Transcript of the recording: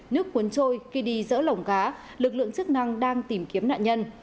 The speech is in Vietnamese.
nước cuốn trôi khi đi dỡ lỏng cá lực lượng chức năng đang tìm kiếm nạn nhân